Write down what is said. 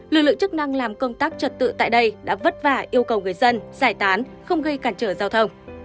lực lượng chức năng làm công tác trật tự tại đây đã vất vả yêu cầu người dân giải tán không gây cản trở giao thông